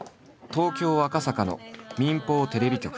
東京赤坂の民放テレビ局。